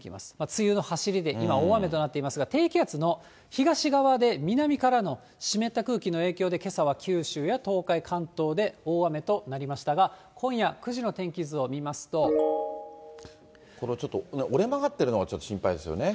梅雨のはしりで、今、大雨となっていますが、低気圧の東側で南からの湿った空気の影響で、けさは九州や東海、関東で大雨となりましたが、今夜９時の天気図を見まこれはちょっと、折れ曲がってるのが、ちょっと心配ですよね。